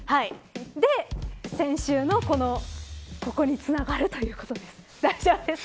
で、先週のここにつながるということです。